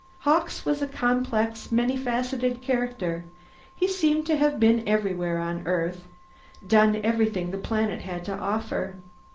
Hawkes was a complex, many faceted character; he seemed to have been everywhere on Earth, done everything the planet had to offer.